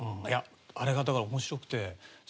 いやあれがだから面白くて。